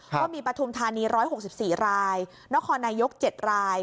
ก็มีปฐุมธานี๑๖๔รายนครนายก๗ราย